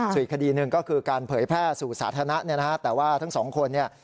สุดอีกคดีหนึ่งก็คือการเผยแพร่สู่สาธารณะแต่ว่าทั้งสองคนเนี่ย